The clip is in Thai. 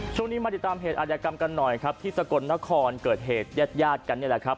ช่วงนี้มาติดตามเหตุอาจยากรรมกันหน่อยครับที่สกลนครเกิดเหตุญาติญาติกันนี่แหละครับ